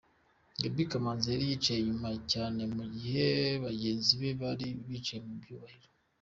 Gaby Kamanzi yari yicaye inyuma cyane mu gihe bagenzi be bari bicajwe mu byubahiro.